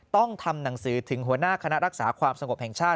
ต้องทำหนังสือถึงหัวหน้าคณะรักษาความสงบแห่งชาติ